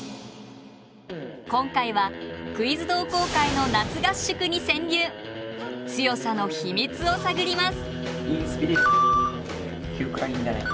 今回はクイズ同好会の強さの秘密を探ります！